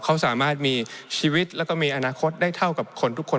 เขาสามารถมีชีวิตแล้วก็มีอนาคตได้เท่ากับคนทุกคน